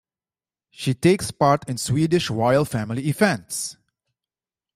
She takes part in Swedish Royal Family events.